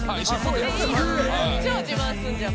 「超自慢すんじゃん。